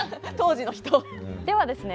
ではですね